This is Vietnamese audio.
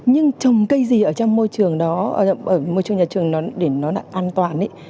nhưng trồng cây gì ở trong môi trường đó ở môi trường nhà trường nó để nó an toàn